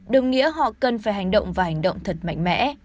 đồng nghĩa họ cần phải hành động và hành động thật mạnh mẽ